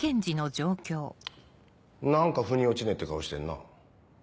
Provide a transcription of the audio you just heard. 何か腑に落ちねえって顔してんな。